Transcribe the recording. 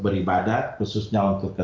beribadat khususnya untuk